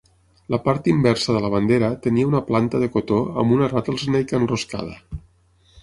La part inversa de la bandera tenia una planta de cotó amb una rattlesnake enroscada.